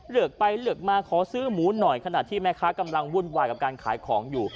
เลือกไปเลือกมาขอซื้อหมูหน่อยขณะที่แม่ค้ากำลังวุ่นวายกับการขายของอยู่